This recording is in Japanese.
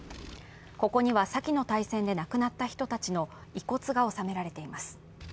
ここには、さきの大戦で亡くなった人たちの遺骨が納められています。